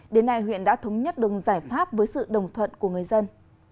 đến nay huyện đã thống nhất đường giải pháp với sự đồng thuận của người dân